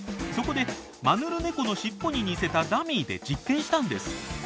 そこでマヌルネコのしっぽに似せたダミーで実験したんです。